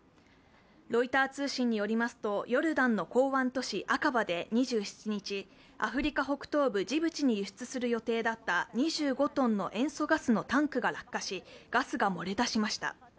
ロイター通信によりますと、ヨルダンの港湾都市アカバで２７日、アフリカ北東部ジブチに輸出する予定だった２５ｔの塩素ガスのタンクが落下し、ガスが漏れ出しました。